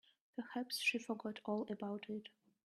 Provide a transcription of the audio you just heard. Perhaps she forgot all about it.